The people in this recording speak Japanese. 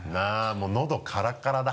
もうのどカラカラだ。